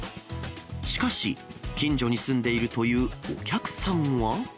しかし、近所に住んでいるというお客さんは。